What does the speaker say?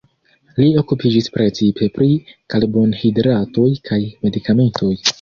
Li okupiĝis precipe pri karbonhidratoj kaj medikamentoj.